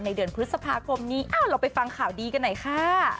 เดือนพฤษภาคมนี้เราไปฟังข่าวดีกันหน่อยค่ะ